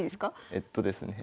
えっとですね。